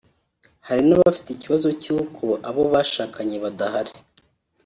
hari n’abafite ikibazo cy’uko abo bashakanye badahari